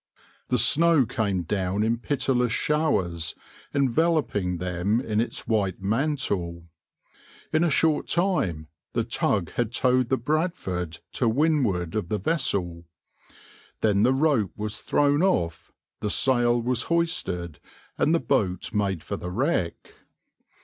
The snow came down in pitiless showers, enveloping them in its white mantle. In a short time the tug had towed the {\itshape{Bradford}} to windward of the vessel. Then the rope was thrown off, the sail was hoisted, and the boat made for the wreck.